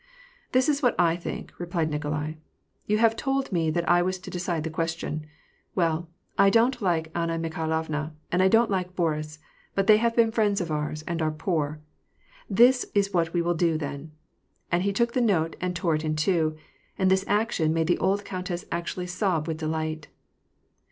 *' This is what I think," replied Nikolai. " You have told me that I was to decide the question. Well, I don't like Anna Mikhailovna, and I don't like Boris ; but they have been friends of ours, and are poor. This is what we will do, then !" and he took the note and tore it in two ; and this action made the aid countess actually sob with delight.